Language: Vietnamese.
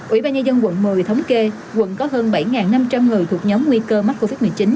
ủy ban nhân dân quận một mươi thống kê quận có hơn bảy năm trăm linh người thuộc nhóm nguy cơ mắc covid một mươi chín